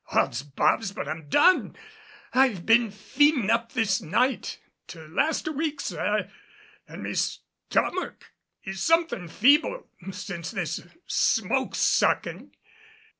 Odds bobs, but I'm done! I've been feedin' up this night, to last a week, sir, an' me stommick is somethin' feeble since this smoke suckin'."